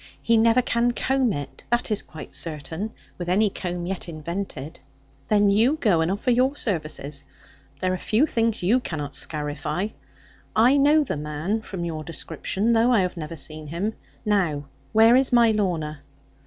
He never can comb it, that is quite certain, with any comb yet invented.' 'Then you go and offer your services. There are few things you cannot scarify. I know the man from your description, although I have never seen him. Now where is my Lorna?'